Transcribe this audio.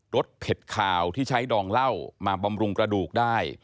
สเผ็ดขาวที่ใช้ดองเหล้ามาบำรุงกระดูกได้